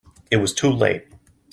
It was too late.